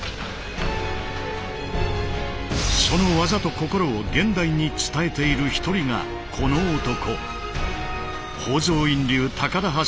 その技と心を現代に伝えている一人がこの男。